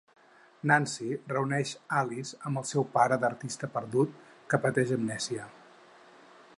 Nancy reuneix Alice amb el seu pare d'artista perdut, que pateix amnèsia.